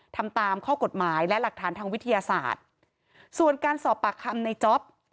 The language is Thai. ทำตามข้อกฎหมายและหลักฐานทางวิทยาศาสตร์ส่วนการสอบปากคำในจ๊อป